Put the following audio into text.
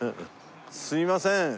すいません。